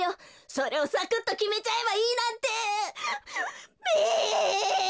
それをサクッときめちゃえばいいなんてべ！